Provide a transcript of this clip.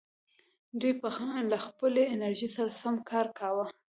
دوی به له خپلې انرژۍ سره سم کار کاوه.